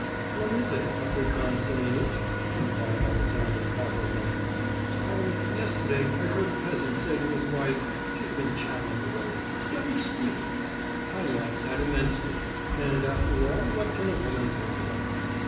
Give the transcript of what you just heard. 'What is it, African Semenitch?' inquired Alexandra Pavlovna. 'Oh, yesterday I heard a peasant say to his wife she had been chattering away "don't squeak!" I liked that immensely. And after all, what can a woman talk about?